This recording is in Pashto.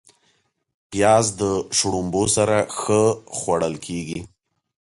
پیاز د شړومبو سره ښه خوړل کېږي